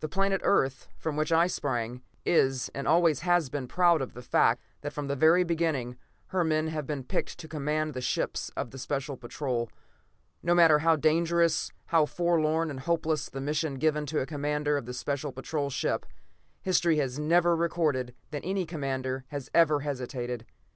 The planet Earth, from which I sprang, is and always has been proud of the fact that from the very beginning, her men have been picked to command the ships of the Special Patrol. No matter how dangerous, how forlorn and hopeless the mission given to a commander of a Special Patrol ship, history has never recorded that any commander has ever hesitated.